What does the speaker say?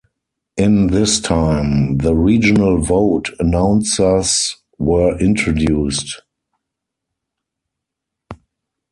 In this time, the regional vote announcers were introduced.